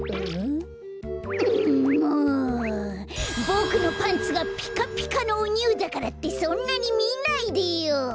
ボクのパンツがピカピカのおニューだからってそんなにみないでよ！